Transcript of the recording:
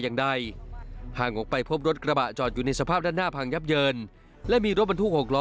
อย่างใดห่างออกไปพบรถกระบะจอดอยู่ในสภาพด้านหน้าพังยับเยินและมีรถบรรทุก๖ล้อ